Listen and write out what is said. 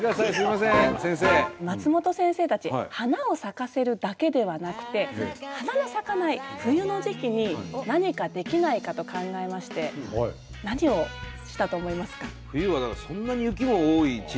松本先生たち花を咲かせるだけではなくて花の咲かない冬の時期に何かできないかと考えまして何をしたと思いますか？